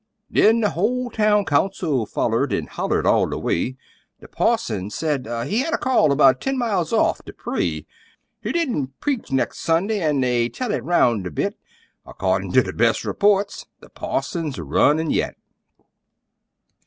Then, the whole town council follered an' hollered all the way; The parson said he had a call 'bout ten miles off, to pray! He didn't preach nex' Sunday, an' they tell it roun' a bit, Accordin' to the best reports the parson's runnin' yit!